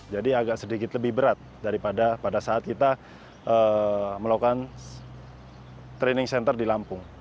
jadi agak sedikit lebih berat daripada pada saat kita melakukan training center di lampung